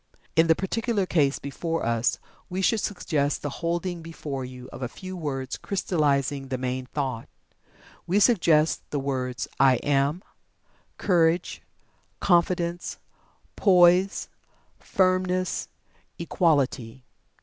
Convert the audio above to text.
In the particular case before us, we should suggest the holding before you of a few words crystallizing the main thought. We suggest the words "I Am"; Courage; Confidence; Poise; Firmness; Equality.